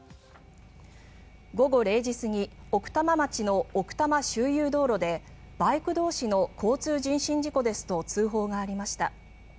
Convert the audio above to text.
午後０時過ぎ奥多摩町の奥多摩周遊道路でバイク同士の交通人身事故ですと通報がありました。